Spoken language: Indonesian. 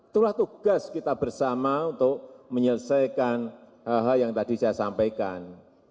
itulah tugas kita bersama untuk menyelesaikan hal hal yang tadi saya sampaikan